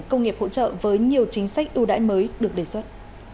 công nghiệp hỗ trợ với nhiều chính sách ưu đãi mới được đề xuất